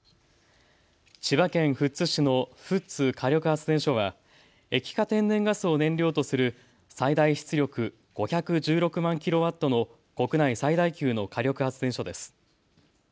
千葉県富津市の富津火力発電所は液化天然ガスを燃料とする最大出力５１６万ｋＷの国内最大級の火力発電所です。